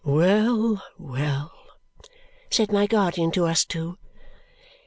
"Well, well!" said my guardian to us two.